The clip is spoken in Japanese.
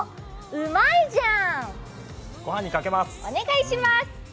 うまいじゃん！！